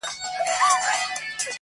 تاوان چي پر هر ځاى راوگرځوې، گټه ده.